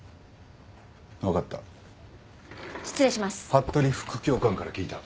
服部副教官から聞いた。